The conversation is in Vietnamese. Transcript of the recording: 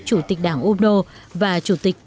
chủ tịch đảng umno và chủ tịch